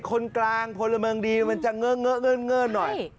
คนกลางพลเมืองดีมันจะเงอะเงื่อนหน่อย